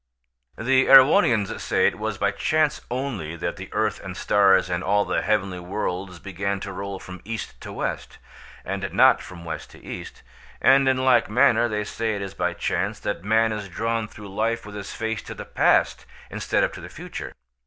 The Erewhonians say it was by chance only that the earth and stars and all the heavenly worlds began to roll from east to west, and not from west to east, and in like manner they say it is by chance that man is drawn through life with his face to the past instead of to the future.